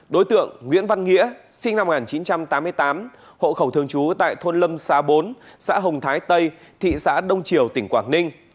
đối tượng nguyễn văn nghĩa sinh năm một nghìn chín trăm tám mươi tám hộ khẩu thường trú tại thôn lâm xá bốn xã hồng thái tây thị xã đông triều tỉnh quảng ninh